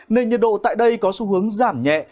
nền nhiệt độ tại đây có xu hướng giảm nhẹ